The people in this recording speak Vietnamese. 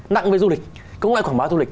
nặng với du lịch không phải quảng báo du lịch